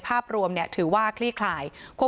พร้อมด้วยผลตำรวจเอกนรัฐสวิตนันอธิบดีกรมราชทัน